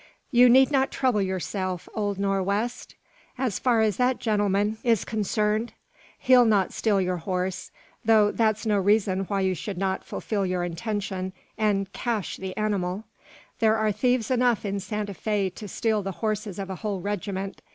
"You need not trouble yourself, old Nor' west, as far as that gentleman is concerned. He'll not steal your horse; though that's no reason why you should not fulfil your intention, and `cache' the animal. There are thieves enough in Santa Fe to steal the horses of a whole regiment.